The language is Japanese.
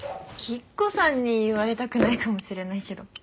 吉子さんに言われたくないかもしれないけど。